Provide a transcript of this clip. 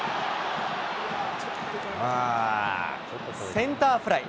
センターフライ。